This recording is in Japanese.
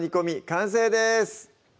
完成です